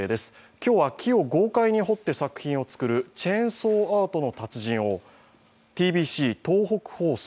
今日は木を豪快に彫って作品を作るチェンソーアートの達人をｔｂｃ東北放送